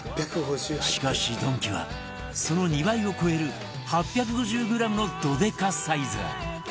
しかしドンキはその２倍を超える８５０グラムのドデカサイズ